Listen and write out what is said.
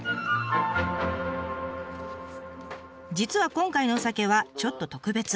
実は今回のお酒はちょっと特別。